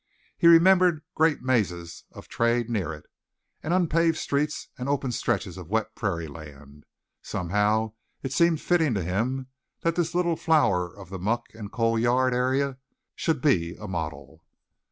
He remembered great mazes of trade near it, and unpaved streets and open stretches of wet prairie land. Somehow it seemed fitting to him that this little flower of the muck and coal yard area should be a model.